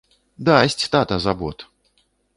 Дасць тата за бот!